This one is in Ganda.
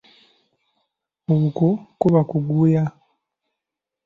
Okwo kuba okuguya.